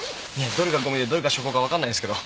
どれがゴミでどれが証拠かわからないんですけど。